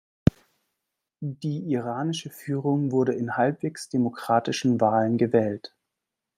Die iranische Führung wurde in halbwegs demokratischen Wahlen gewählt.